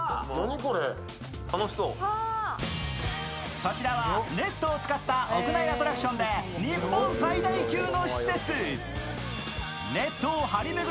こちらはネットを使った屋内アトラクションで日本最大級の施設。